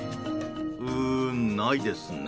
うーん、ないですね。